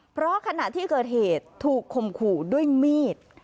เพราะขณะที่เกิดเหตุถูกคมขู่ด้วยมีด